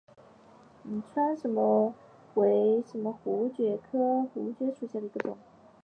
川滇槲蕨为槲蕨科槲蕨属下的一个种。